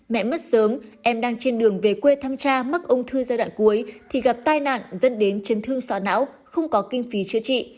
mẹ mất sớm em đang trên đường về quê thăm cha mắc ung thư giai đoạn cuối thì gặp tai nạn dẫn đến chấn thương sọ não không có kinh phí chữa trị